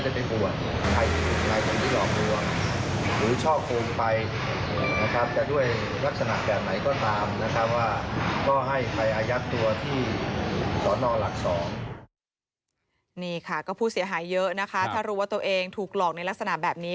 ถ้ารู้ว่าตัวเองถูกหลอกในลักษณะแบบนี้